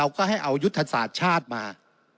ก็ให้เอายุทธศาสตร์ชาติมา